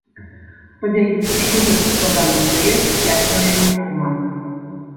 Спадзяюся, што гэты складаны перыяд я перажыў нармальна.